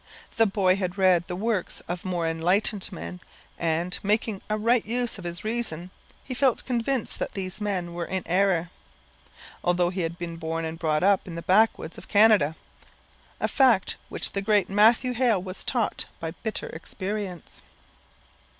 The boy had read the works of more enlightened men, and, making a right use of his reason, he felt convinced that these men were in error (although he had been born and brought up in the backwoods of Canada) a fact which the great Mathew Hale was taught by bitter experience.